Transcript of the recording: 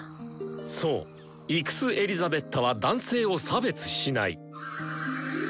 そうイクス・エリザベッタは男性を差別しない。